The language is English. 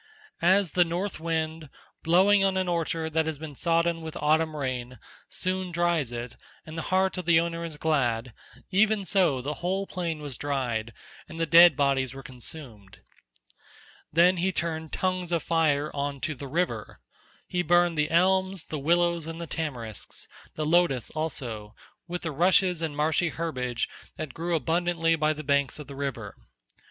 As the north wind, blowing on an orchard that has been sodden with autumn rain, soon dries it, and the heart of the owner is glad—even so the whole plain was dried and the dead bodies were consumed. Then he turned tongues of fire on to the river. He burned the elms the willows and the tamarisks, the lotus also, with the rushes and marshy herbage that grew abundantly by the banks of the river.